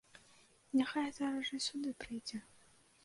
Няхай зараз жа сюды прыйдзе!